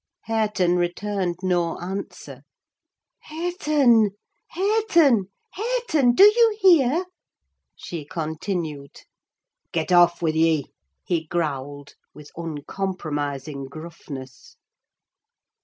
Hareton returned no answer. "Hareton, Hareton, Hareton! do you hear?" she continued. "Get off wi' ye!" he growled, with uncompromising gruffness.